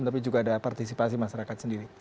tapi juga ada partisipasi masyarakat sendiri